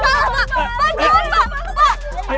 pak jangan pak